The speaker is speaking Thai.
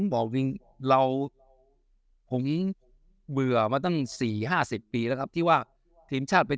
บอกจริงเราผมเบื่อมาตั้ง๔๕๐ปีแล้วครับที่ว่าทีมชาติเป็น